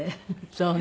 そうよね。